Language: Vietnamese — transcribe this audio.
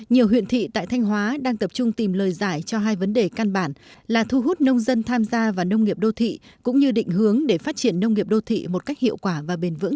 nhiều huyện thị tại thanh hóa đang tập trung tìm lời giải cho hai vấn đề căn bản là thu hút nông dân tham gia vào nông nghiệp đô thị cũng như định hướng để phát triển nông nghiệp đô thị một cách hiệu quả và bền vững